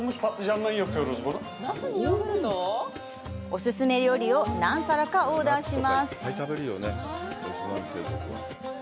お勧め料理を何皿かオーダーします。